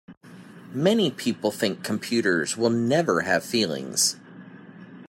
Many people think computers will never have feelings.